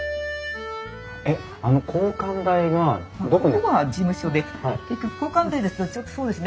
ここは事務所で交換台ですとちょうどそうですね